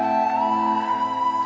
akan menjadi pelindung